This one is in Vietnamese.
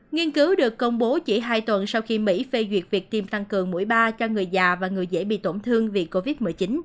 nghiên cứu được công bố chỉ hai tuần sau khi mỹ phê duyệt việc tiêm tăng cường mũi ba cho người già và người dễ bị tổn thương vì covid một mươi chín